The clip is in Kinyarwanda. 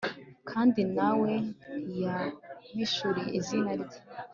kandi na we ntiyampishuriye izina rye